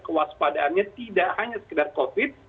kewaspadaannya tidak hanya sekedar covid sembilan belas